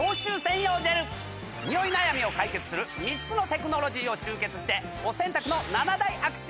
ニオイ悩みを解決する３つのテクノロジーを集結してお洗濯の。